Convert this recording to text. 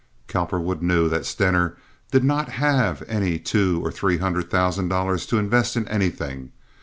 Cowperwood knew that Stener did not have any two or three hundred thousand dollars to invest in anything.